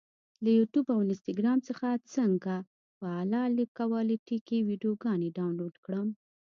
له یوټیوب او انسټاګرام څخه څنګه په اعلی کوالټي کې ویډیوګانې ډاونلوډ کړم؟